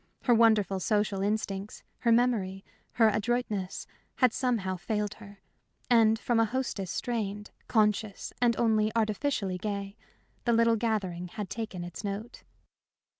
Her wonderful social instincts, her memory, her adroitness, had somehow failed her. And from a hostess strained, conscious, and only artificially gay, the little gathering had taken its note.